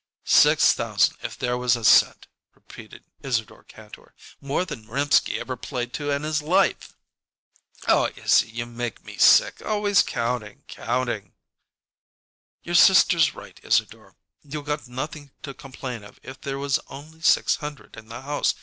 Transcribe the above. "Six thousand, if there was a cent," repeated Isadore Kantor. "More than Rimsky ever played to in his life!" "Oh, Izzie, you make me sick, always counting counting!" "Your sister's right, Isadore. You got nothing to complain of if there was only six hundred in the house.